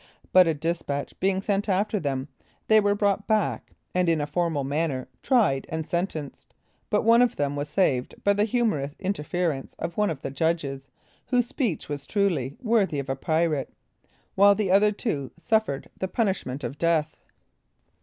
But a despatch being sent after them, they were brought back, and in a formal manner tried and sentenced, but one of them was saved by the humorous interference of one of the judges, whose speech was truly worthy of a pirate while the other two suffered the punishment of death.